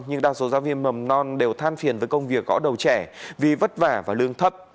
nhưng đa số giáo viên mầm non đều than phiền với công việc gõ đầu trẻ vì vất vả và lương thấp